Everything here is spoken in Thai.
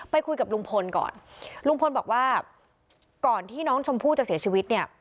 คุยกับลุงพลก่อนลุงพลบอกว่าก่อนที่น้องชมพู่จะเสียชีวิตเนี่ย